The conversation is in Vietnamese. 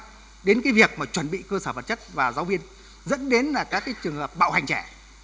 chưa kịp và đặc biệt chưa giám sát đến việc chuẩn bị cơ sở vật chất và giáo viên dẫn đến các trường hợp bạo hành trẻ